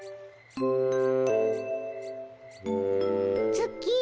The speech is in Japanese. ツッキー